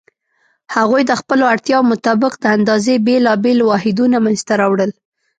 هغوی د خپلو اړتیاوو مطابق د اندازې بېلابېل واحدونه منځته راوړل.